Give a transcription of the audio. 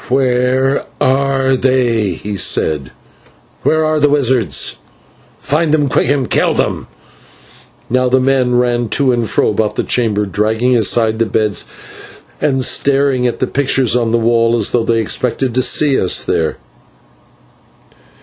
"Where are they?" he said. "Where are the wizards? Find them quick and kill them." Now the men ran to and fro about the chamber, dragging aside the beds and staring at the pictures on the walls as though they expected to see us there.